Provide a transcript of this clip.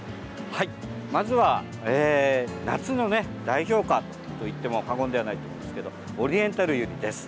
まずは夏のね、代表花といっても過言ではないと思うんですけどオリエンタルユリです。